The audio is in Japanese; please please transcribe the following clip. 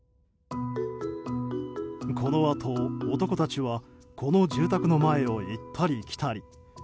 このあと男たちはこの住宅の前を行ったり来たり。